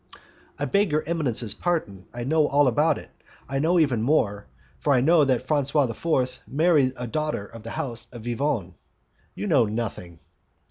"I beg your eminence's pardon; I know all about it; I know even more, for I know that Francois VI. married a daughter of the house of Vivonne." "You know nothing."